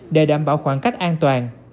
để đảm bảo khoảng cách an toàn